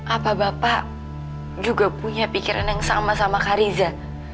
apa bapak juga punya pikiran yang sama sama kariza